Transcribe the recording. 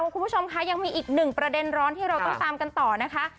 คุณผู้ชมค่ะยังมีอีกหนึ่งประเด็นร้อนที่เราต้องตามกันต่อนะคะ